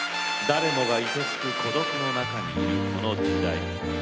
誰もがいてつく孤独の中にいるこの時代。